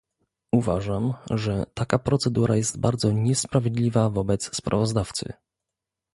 Uważam, że taka procedura jest bardzo niesprawiedliwa wobec sprawozdawcy